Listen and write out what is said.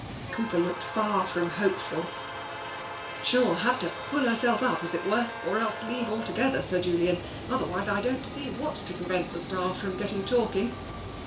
Cooper looked far from hopeful. " She'll have to pull herself up, as it were, or else leave altogether, Sir Julian. Otherwise I don't see what's to prevent the staff from getting talking."